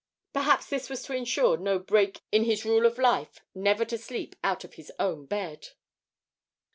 Perhaps this was to ensure no break in his rule of life never to sleep out of his own bed.